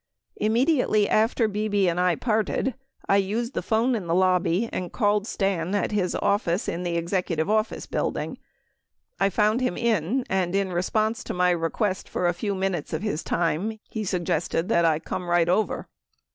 Immediately after 1007 Bebe and I parted, I used the phone in the lobby and called Stan at his office in the Executive Office Building. I found him in, and in response to my request for a few minutes of his time, he suggested that I come right over.